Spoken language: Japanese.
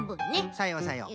さようさよう。